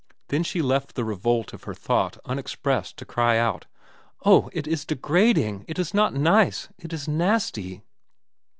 Then she left the revolt of her thought unexpressed to cry out: "Oh! It is degrading! It is not nice! It is nasty!"